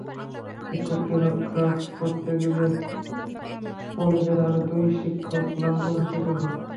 শিক্ষককে রক্ষা করতে গেলে কলেজের আরও দুই শিক্ষক লাঞ্ছনার শিকার হন।